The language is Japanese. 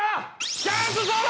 チャンスソード